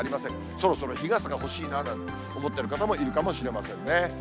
そろそろ日傘が欲しいななんて思ってる方もいるかもしれませんね。